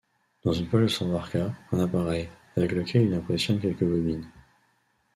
Dans une poche de son parka, un appareil, avec lequel il impressionne quelques bobines.